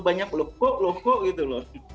banyak loh kok loh kok gitu loh